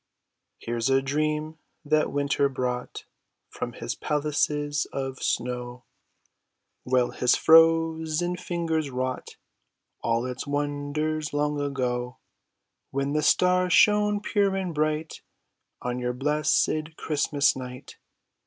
Here's a dream that winter brought From his palaces of snow ; lo THE CHILDREN'S WONDER BOOK. Well his frozen fingers wrought All its wonders long ago, When the stars shone, pure and bright, On your blessed Christmas night